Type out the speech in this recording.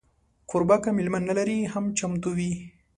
کوربه که میلمه نه لري، هم چمتو وي.